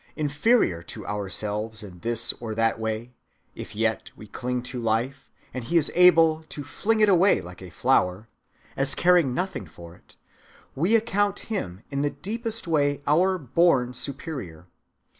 Inferior to ourselves in this or that way, if yet we cling to life, and he is able "to fling it away like a flower" as caring nothing for it, we account him in the deepest way our born superior.